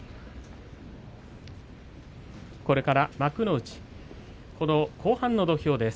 これから幕内後半の土俵です。